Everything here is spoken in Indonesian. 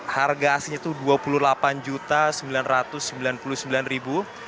harga aslinya itu dua puluh delapan juta sembilan ratus sembilan puluh sembilan ribu